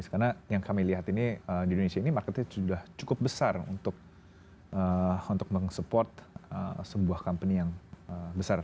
karena yang kami lihat di indonesia ini marketnya sudah cukup besar untuk menge support sebuah company yang besar